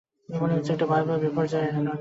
মনে হচ্ছে একটা ভয়াবহ বিপর্যয় এড়ানো গেছে।